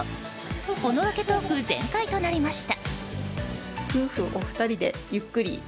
おのろけトーク全開となりました。